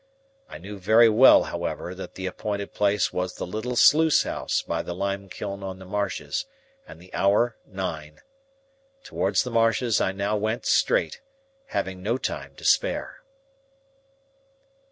I knew very well, however, that the appointed place was the little sluice house by the limekiln on the marshes, and the hour nine. Towards the marshes I now went straight, having no time to spare.